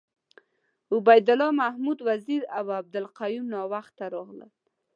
عبید الله محمد وزیر اوعبدالقیوم ناوخته راغله .